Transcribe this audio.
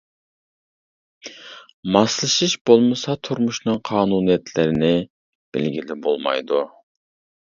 ماسلىشىش بولمىسا تۇرمۇشنىڭ قانۇنىيەتلىرىنى بىلگىلى بولمايدۇ.